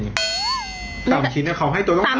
๓ชิ้นแต่เขาให้ตัวต้อง๓ชิ้น